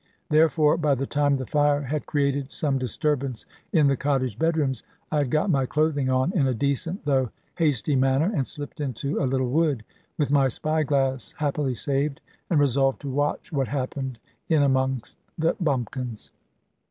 Therefore by the time the fire had created some disturbance in the cottage bedrooms, I had got my clothing on, in a decent though hasty manner, and slipped into a little wood with my spy glass, happily saved, and resolved to watch what happened in among the bumpkins.